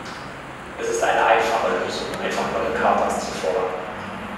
Es ist eine einfache Lösung, einfach neue Chartas zu fordern.